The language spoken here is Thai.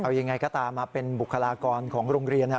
เอายังไงก็ตามมาเป็นบุคลากรของโรงเรียน